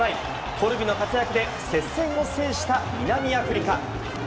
コルビの活躍で接戦を制した南アフリカ。